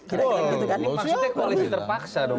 ini maksudnya koalisi terpaksa dong